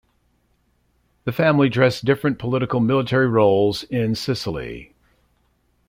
This family dressed different political-military roles in Sicily.